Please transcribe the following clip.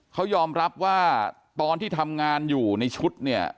เขายอมรับว่าตอนที่ทำงานอยู่ในชุดเนี่ย